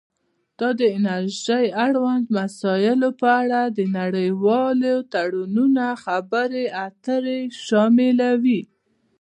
دا د انرژۍ اړوند مسایلو په اړه د نړیوالو تړونونو خبرې اترې شاملوي